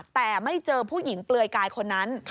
แต่ไม่เจอผู้หญิงเปลือยกายคนนั้น